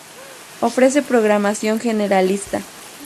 Ofrece programación generalista.